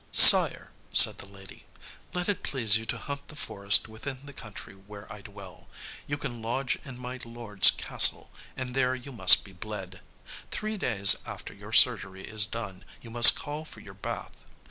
"Sire," said the lady, "let it please you to hunt the forest within the country where I dwell. You can lodge in my lord's castle, and there you must be bled. Three days after your surgery is done, you must call for your bath.